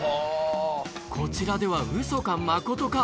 こちらではウソかマコトか